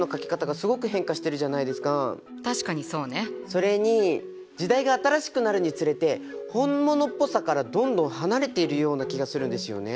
それに時代が新しくなるにつれて本物っぽさからどんどん離れているような気がするんですよね。